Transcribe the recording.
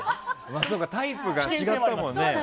タイプが違ったもんね。